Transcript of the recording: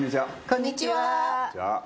こんにちは。